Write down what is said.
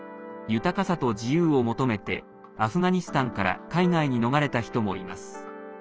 豊かさと自由を求めてアフガニスタンから海外に逃れた人もいます。